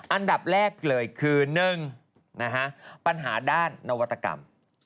อันดับแรกเลยคือ๑ปัญหาด้านนวัตกรรม